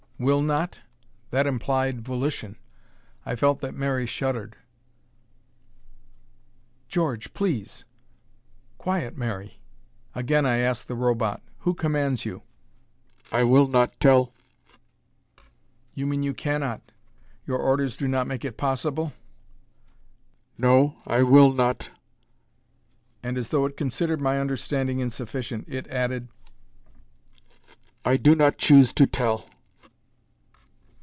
Will not? That implied volition. I felt that Mary shuddered. "George, please " "Quiet, Mary." Again I asked the Robot, "Who commands you?" "I will not tell." "You mean you cannot? Your orders do not make it possible?" "No, I will not." And, as though it considered my understanding insufficient, it added, "I do not choose to tell."